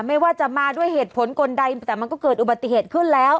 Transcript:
ไม่ว่าจะมาด้วยเหตุผลคนใดแต่มันก็เกิดอุบัติเหตุขึ้นแล้ว